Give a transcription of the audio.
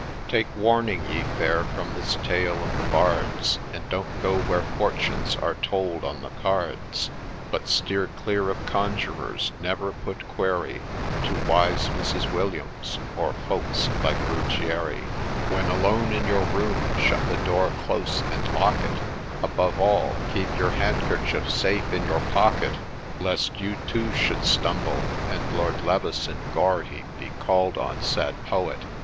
Take warning, ye Fair, from this tale of the Bard's, And don't go where fortunes are told on the cards, But steer clear of Conjurers, — never put query To ' Wise Mrs. Williams,' or folks like Buggieri. 176 THE TRAGEDY When alone in your room shut the door close, and lock it ; Above all, — KEEP YOUR HANDKERCHIEF SAFE IN YOUR POCKET I Lest you too should stumble, and Lord Leveson Gower, he Be call'd on, — sad poet